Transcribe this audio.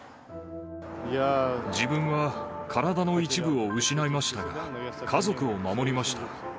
自分は体の一部を失いましたが、家族を守りました。